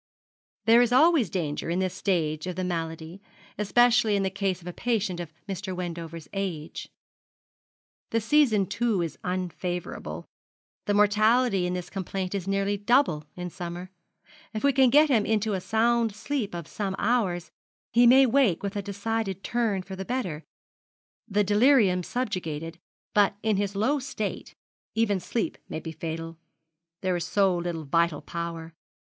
'There is always danger in this stage of the malady, especially in the case of a patient of Mr. Wendover's age. The season, too, is unfavourable the mortality in this complaint is nearly double in summer. If we can get him into a sound sleep of some hours he may wake with a decided turn for the better the delirium subjugated; but in his low state, even sleep may be fatal there is so little vital power.